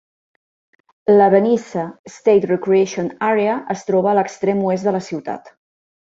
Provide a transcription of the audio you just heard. La Benicia State Recreation Area es troba a l'extrem oest de la ciutat.